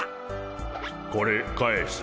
これ返すモ。